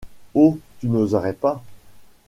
Oh ! tu n’oserais pas.